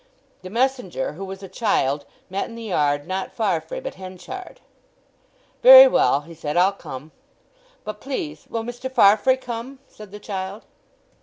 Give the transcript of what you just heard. The messenger, who was a child, met in the yard not Farfrae, but Henchard. "Very well," he said. "I'll come." "But please will Mr. Farfrae come?" said the child.